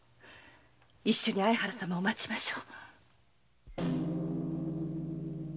一緒に相原様を待ちましょう。